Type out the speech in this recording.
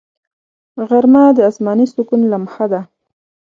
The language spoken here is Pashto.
غرمه د آسماني سکون لمحه ده